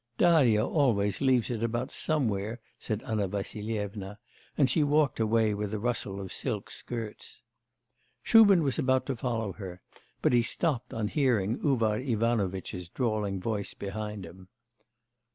'Darya always leaves it about somewhere,' said Anna Vassilyevna, and she walked away with a rustle of silk skirts. Shubin was about to follow her, but he stopped on hearing Uvar Ivanovitch's drawling voice behind him.